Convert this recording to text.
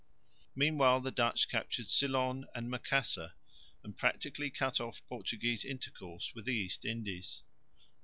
Meanwhile the Dutch captured Ceylon and Macassar and practically cut off Portuguese intercourse with the East Indies.